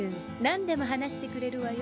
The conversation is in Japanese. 何でも話してくれるわよ。